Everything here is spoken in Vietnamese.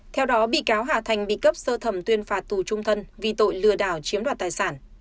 theo đó bị cáo hà thành bị cấp sơ thẩm tuyên phạt tù trung thân vì tội lừa đảo chiếm đoạt tài sản